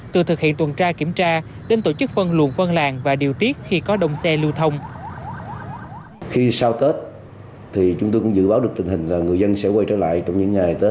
từ thực hiện tuần tra kiểm tra đến tổ chức phân luồn vân làng và điều tiết khi có đông xe lưu thông